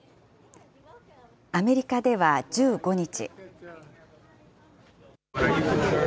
アメリカでは１５日。